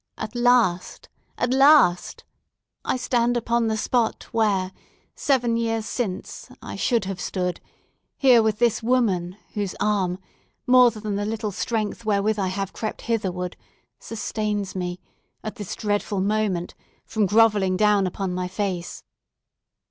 At last—at last!—I stand upon the spot where, seven years since, I should have stood, here, with this woman, whose arm, more than the little strength wherewith I have crept hitherward, sustains me at this dreadful moment, from grovelling down upon my face!